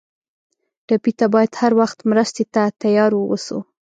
ټپي ته باید هر وخت مرستې ته تیار ووسو.